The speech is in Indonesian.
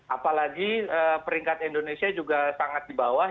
apalagi peringkat indonesia juga sangat di bawah